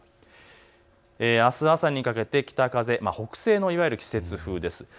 あす朝にかけて北風、北西のいわゆる季節風です。